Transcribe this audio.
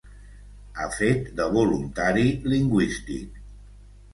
Ha fet de voluntari lingüístic.